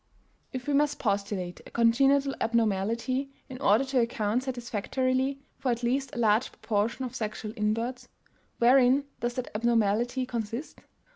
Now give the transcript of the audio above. If, then, we must postulate a congenital abnormality in order to account satisfactorily for at least a large proportion of sexual inverts, wherein does that abnormality consist?